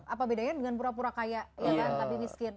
apa bedanya dengan pura pura kaya ya kan tapi miskin